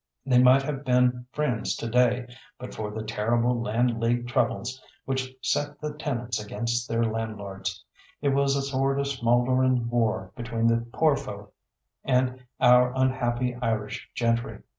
They might have been friends to day, but for the terrible Land League troubles, which set the tenants against their landlords. It was a sort of smouldering war between the poor folk and our unhappy Irish gentry.